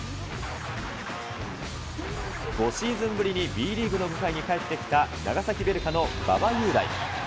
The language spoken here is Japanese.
５シーズンぶりにＢリーグの舞台に帰ってきた、長崎ヴェルカの馬場雄大。